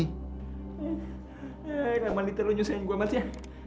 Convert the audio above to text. eh gak mandi terlalu nyusah yang gue mas ya